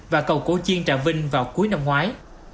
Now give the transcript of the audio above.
và cầu cổ chiên trà vinh vào cuối năm ngoái